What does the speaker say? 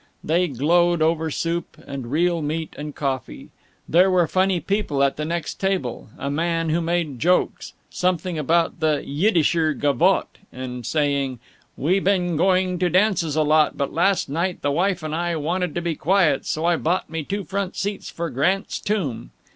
They glowed over soup and real meat and coffee. There were funny people at the next table a man who made jokes. Something about the "Yiddisher gavotte," and saying, "We been going to dances a lot, but last night the wife and I wanted to be quiet, so I bought me two front seats for Grant's Tomb!"